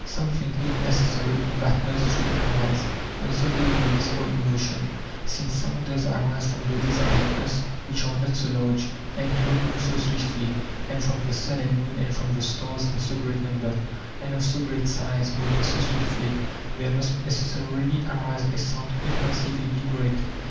Some think it necessary that noise should arise when so great bodies are in motion, since sound does arise from bodies among us which are not so large and do not move so swiftly ; and from the sun and moon and from the stars in so great number, and of so great size, moving so swiftly, there must necessarily arise a sound inconceivably great.